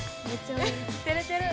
てれてる。